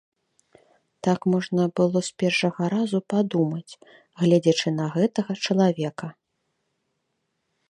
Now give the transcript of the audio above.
Так можна было з першага разу падумаць, гледзячы на гэтага чалавека.